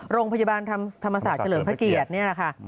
โรงพยาบาลธรรมศาสตร์เฉลิมพระเกียรตินี่แหละค่ะ